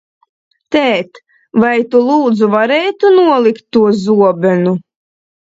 Tēt, vai tu, lūdzu, varētu nolikt to zobenu?